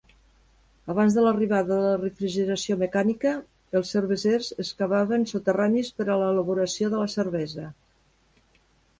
Abans de l'arribada de la refrigeració mecànica, els cervesers excavaven soterranis per a l'elaboració de la cervesa.